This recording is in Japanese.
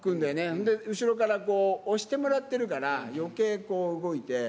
ほんで、後ろから押してもらってるから、よけい動いて。